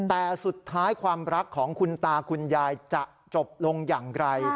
แต่สุดท้ายความรักของคุณตาคุณยายจะจบลงอย่างไร